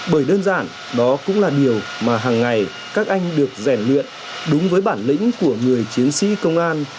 bởi đơn giản đó cũng là điều mà hằng ngày các anh được rèn luyện đúng với bản lĩnh của người chiến sĩ công an